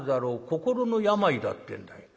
心の病だ』ってんだよ。